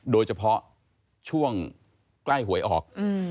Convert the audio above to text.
โดยเฉพาะช่วงใกล้หวยออก